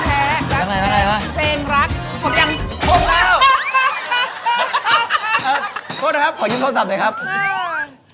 เอ่อโทษนะครับขอยืมโทรศัพท์หน่อยครับอ้าว